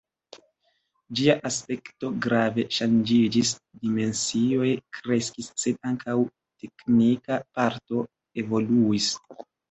Ĝia aspekto grave ŝanĝiĝis, dimensioj kreskis, sed ankaŭ teknika parto evoluis.